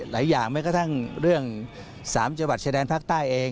แต่ก็พูดเป็นเรื่องให้ไปคิดกัน